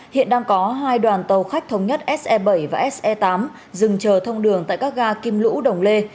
hiện đang có hai đoàn tàu khách thống nhất se bảy và se tám dừng chờ thông đường tại các ga kim lũ đồng lê